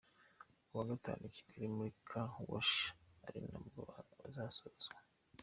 kuwa gatanu i Kigali muri Car wash ari nabwo bizasozwa.